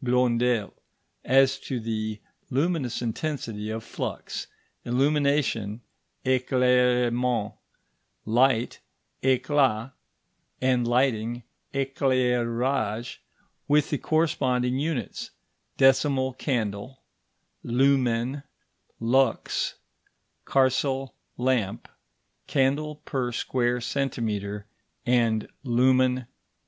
Blondel as to the luminous intensity of flux, illumination (éclairement), light (éclat), and lighting (éclairage), with the corresponding units, decimal candle, lumen, lux, carcel lamp, candle per square centimetre, and lumen hour.